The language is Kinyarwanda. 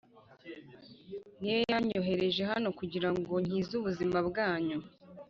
Ni yo yanyohereje hano kugira ngo nkize ubuzima bwanyu